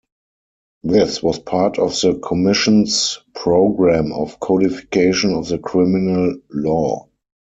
This was part of the Commission's programme of codification of the criminal law.